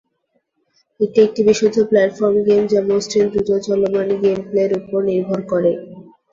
এটি একটি বিশুদ্ধ প্ল্যাটফর্ম গেম, যা মসৃণ, দ্রুত চলমান গেমপ্লের উপর নির্ভর করে।